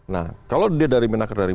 nah kalau dia dari menaker dari